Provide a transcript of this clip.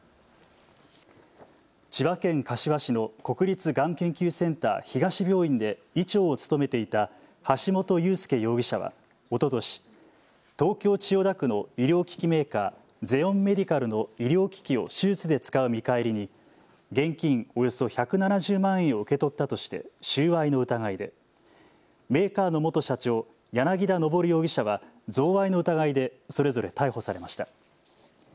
千葉県柏市の国立がん研究センター東病院で医長を務めていた橋本裕輔容疑者はおととし東京千代田区の医療機器メーカー、ゼオンメディカルの医療機器を手術で使う見返りに現金およそ１７０万円を受け取ったとして収賄の疑いで、メーカーの元社長、柳田昇容疑者は贈賄の疑いでそれぞれ逮捕されました。